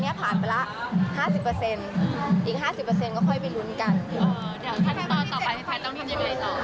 เดี๋ยวถ้าที่ตอนต่อไปแพทย์ต้องที่เบนอีกแล้ว